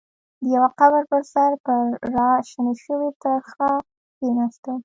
د يوه قبر پر سر پر را شنه شوې ترخه کېناسته.